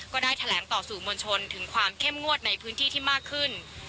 ก็ได้แถลงต่อสื่อมวลชนถึงความเข้มงวดในพื้นที่ที่มากขึ้น